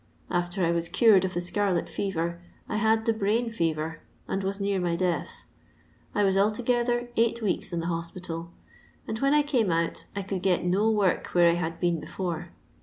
After I was cured of the scarlet fever, I had the brain fever, and was near my death; I was alto gether eight weeks in the hospital, and when I come out I could get no work where I had been before.